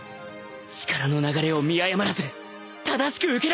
力の流れを見誤らず正しく受け流せ！